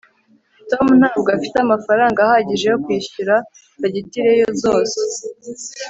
tom ntabwo afite amafaranga ahagije yo kwishyura fagitire zose